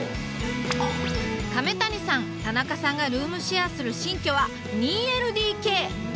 亀谷さん田中さんがルームシェアする新居は２ＬＤＫ。